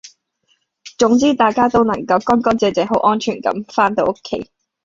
總之大家都能夠乾乾淨淨好安全咁番到屋企